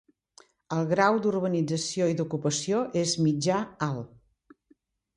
El grau d'urbanització i d'ocupació és mitjà-alt.